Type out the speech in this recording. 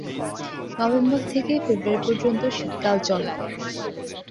November থেকে February পর্যন্ত শীতকাল চলে।